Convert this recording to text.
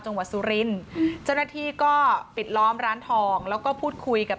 จังหวัดสุรินทร์เจ้าหน้าที่ก็ปิดล้อมร้านทองแล้วก็พูดคุยกับ